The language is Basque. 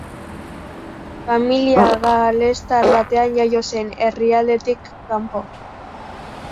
Familia galestar batean jaio zen, herrialdetik kanpo.